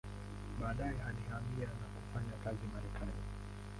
Baadaye alihamia na kufanya kazi Marekani.